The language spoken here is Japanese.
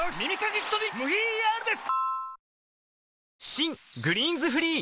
新「グリーンズフリー」